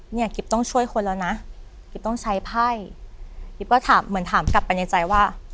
กิ๊บต้องช่วยคนแล้วนะกิ๊บต้องใช้ไพ่กิ๊บก็ถามเหมือนถามกลับไปในใจว่า